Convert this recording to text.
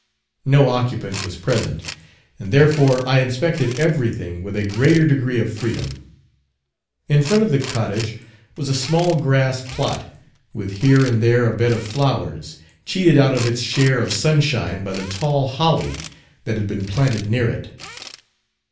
No occupant was present, and therefore I inspected everything with a greater degree of freedom. In front of the cottage was a small grass plot, with here and there a bed of flowers, cheated out of its share of sunshine by the tall holly that had been planted near it.